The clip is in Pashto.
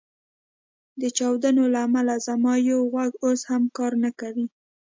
د چاودنو له امله زما یو غوږ اوس هم کار نه کوي